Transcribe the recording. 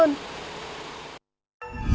trong thời gian tới